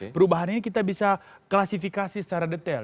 perubahan ini kita bisa klasifikasi secara detail